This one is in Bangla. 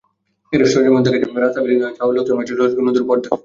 সরেজমিনে দেখা গেছে, রাস্তা বিলীন হয়ে যাওয়ায় লোকজন চলাচল করছেন নদীর পাড় ধরে।